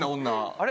あれ？